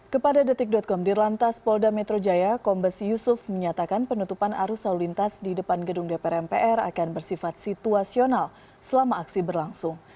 kepada detik com dirlantas polda metro jaya kombes yusuf menyatakan penutupan arus lalu lintas di depan gedung dpr mpr akan bersifat situasional selama aksi berlangsung